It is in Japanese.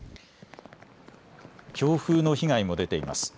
強風の被害も出ています。